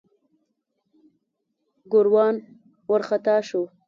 ګوروان وارخطا شو.